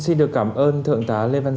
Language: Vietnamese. đầu tiên xin được cảm ơn thượng tá lê văn thánh